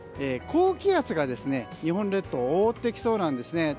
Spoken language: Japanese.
高気圧が日本列島を覆ってきそうなんですね。